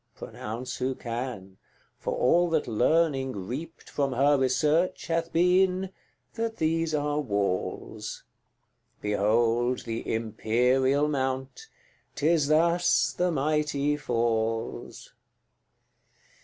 Pronounce who can; for all that Learning reaped From her research hath been, that these are walls Behold the Imperial Mount! 'tis thus the mighty falls.